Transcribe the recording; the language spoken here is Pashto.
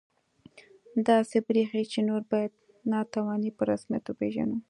داسې بریښي چې نور باید ناتواني په رسمیت وپېژنو